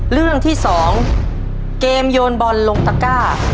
เรื่องที่๒เกมโยนบอลลงตะก้า